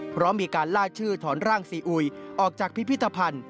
เพราะมีการล่าชื่อถอนร่างซีอุยออกจากพิพิธภัณฑ์